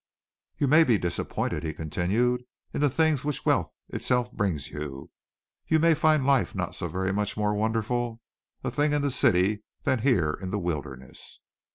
"You may be disappointed," he continued, "in the things which wealth itself brings you. You may find life not so very much more wonderful a thing in the city than here in the wilderness."